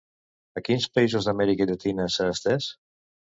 A quins països d'Amèrica Llatina s'ha estès?